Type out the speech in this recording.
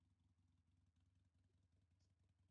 Leherketaren ondorioz, zenbait bagoik kalteak izan zituzten.